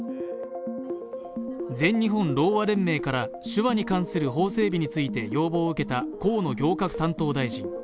全日本ろうあ連盟から手話に関する法整備について要望を受けた河野行革担当大臣。